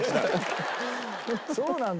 そうなんだ。